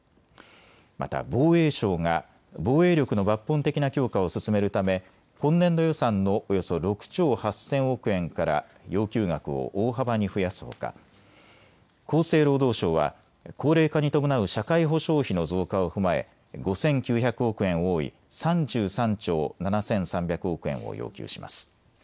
また防衛省が防衛力の抜本的な強化を進めるため、今年度予算のおよそ６兆８０００億円から要求額を大幅に増やすほか、厚生労働省は高齢化に伴う社会保障費の増加を踏まえ５９００億円多い３３兆７３００億円を要求します。